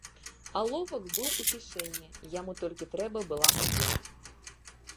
Аловак быў у кішэні, яму толькі трэба была папера.